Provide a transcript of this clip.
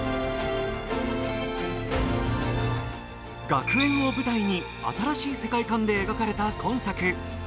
学園を舞台に新しい世界観で描かれた今作。